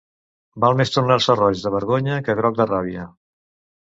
Val més tornar-se roig de vergonya que groc de ràbia.